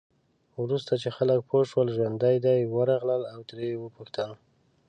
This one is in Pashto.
وروسته چې خلک پوه شول ژوندي دی، ورغلل او ترې یې وپوښتل.